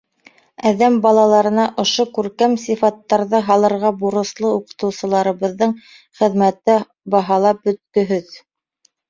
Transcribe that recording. Әҙәм балаларына ошо күркәм сифаттарҙы һалырға бурыслы уҡытыусыларыбыҙҙың хеҙмәте баһалап бөткөһөҙ.